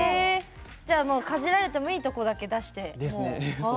かじられてもいいところだけ出して。